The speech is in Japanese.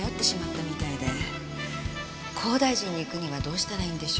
高台寺に行くにはどうしたらいいんでしょう？